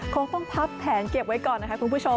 คงต้องพับแผงเก็บไว้ก่อนนะคะคุณผู้ชม